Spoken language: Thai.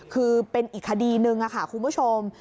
คือเป็นอีกคดีหนึ่งค่ะคุณผู้ชม